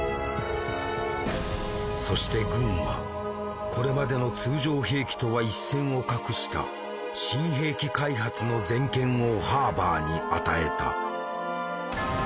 そして軍はこれまでの通常兵器とは一線を画した新兵器開発の全権をハーバーに与えた。